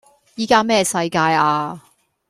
依家咩世界呀?